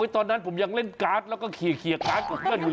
ตอนนั้นผมยังเล่นการ์ดแล้วก็เคลียร์การ์ดกับเพื่อนอยู่